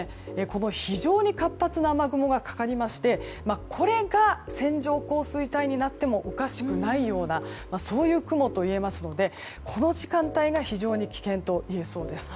非常に活発な雨雲がかかりましてこれが線状降水帯になってもおかしくないようなそういう雲といえますのでこの時間帯が非常に危険といえそうです。